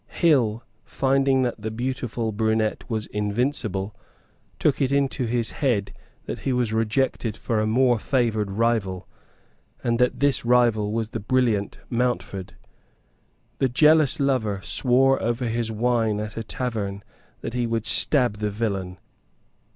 Hill, finding that the beautiful brunette was invincible, took it into his head that he was rejected for a more favoured rival, and that this rival was the brilliant Mountford. The jealous lover swore over his wine at a tavern that he would stab the villain.